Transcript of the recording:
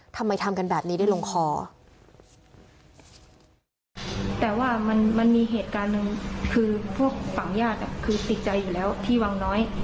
ทำไมทำกันแบบนี้ได้ลงคอแต่ว่ามันมันมีเหตุการณ์หนึ่ง